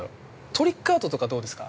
◆トリックアートとかどうですか。